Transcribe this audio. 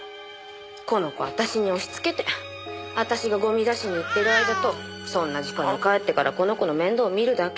この子私に押しつけて私がゴミ出しに行ってる間とそんな時間に帰ってからこの子の面倒見るだけ。